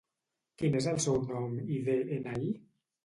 Quin és el seu nom i de-ena-i?